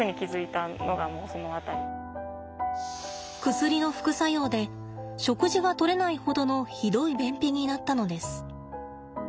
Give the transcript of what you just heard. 薬の副作用で食事がとれないほどのひどい便秘になったのです。